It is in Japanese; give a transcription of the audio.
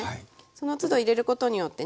そのつど入れることによってね